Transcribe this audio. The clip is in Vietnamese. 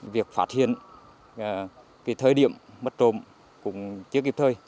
việc phát hiện thời điểm mất trộm cũng chưa kịp thời